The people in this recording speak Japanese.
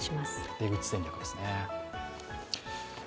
出口戦略ですね。